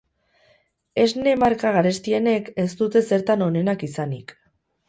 Esne marka garestienek ez dute zertan onenak izanik.